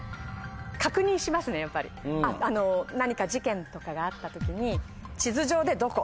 何か事件とかがあった時に地図上でどこ。